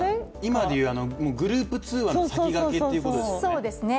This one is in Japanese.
今で言うグループ通話の先駆けということですね。